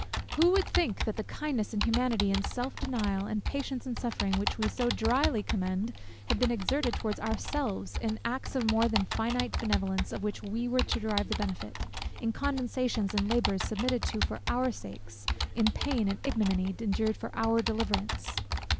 Who would think that the kindness and humanity, and self denial, and patience in suffering, which we so drily commend, had been exerted towards ourselves, in acts of more than finite benevolence of which we were to derive the benefit, in condescensions and labours submitted to for our sakes, in pain and ignominy, endured for our deliverance?